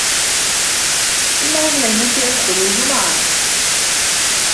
إنهُ من الممتع الخروج معهُ.